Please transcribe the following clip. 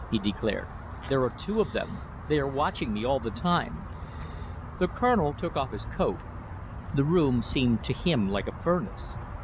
he declared. "There are two of them! They are watching me all the time." The Colonel took off his coat. The room seemed to him like a furnace.